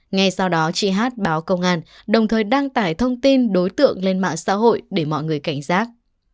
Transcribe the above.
ngay sau đó chị hát báo công an đồng thời đăng tải thông tin đối tượng lên mạng xã hội để mọi người cảnh giác